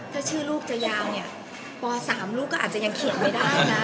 ถ้าชื่อลูกจะยาวเนี่ยป๓ลูกก็อาจจะยังเขียนไม่ได้นะ